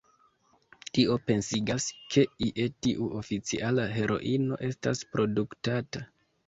Tio pensigas, ke ie tiu oficiala heroino estas produktata.